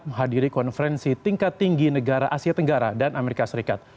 menghadiri konferensi tingkat tinggi negara asia tenggara dan amerika serikat